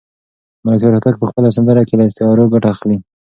ملکیار هوتک په خپله سندره کې له استعارو ګټه اخلي.